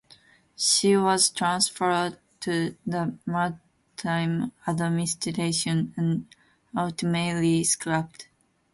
She was transferred to the Maritime Administration and ultimately scrapped.